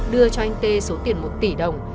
đưa cho anh t số tiền một tỷ đồng